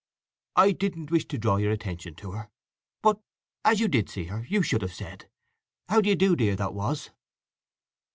"I didn't wish to draw your attention to her. But, as you did see her, you should have said: 'How d'ye do, my dear that was?